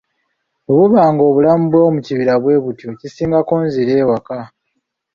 Bwe buba ng'obulamu bw'omukibira bwe butyo, kisingako nzire ewaka.